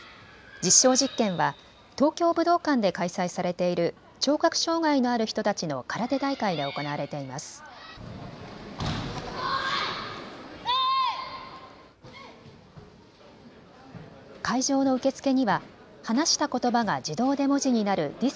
実証実験は東京武道館で開催されている聴覚障害のある人たちの空手大会で行われています。